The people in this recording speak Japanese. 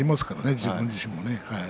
自分自身も。